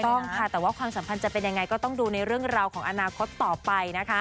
ต้องค่ะแต่ว่าความสัมพันธ์จะเป็นยังไงก็ต้องดูในเรื่องราวของอนาคตต่อไปนะคะ